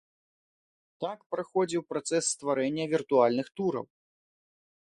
Так праходзіў працэс стварэння віртуальных тураў.